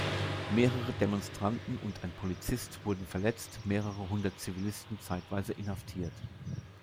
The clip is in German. Mehrere Demonstranten und ein Polizist wurden verletzt, mehrere hundert Zivilisten zeitweise inhaftiert.